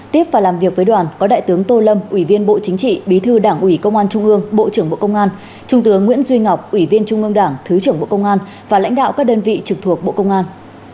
tiếp và làm việc với đoàn có đại tướng tô lâm ủy viên bộ chính trị bí thư đảng ủy công an trung ương bộ trưởng bộ công an trung tướng nguyễn duy ngọc ủy viên trung ương đảng thứ trưởng bộ công an và lãnh đạo các đơn vị trực thuộc bộ công an